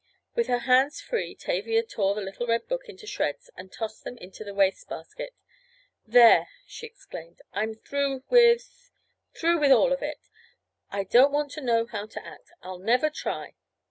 With her hands free Tavia tore the little red book into shreds and tossed them into the waste basket. "There!" she exclaimed. "I'm through with—through with all of it! I don't want to know how to act! I'll never try!